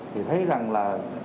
thì thấy rằng là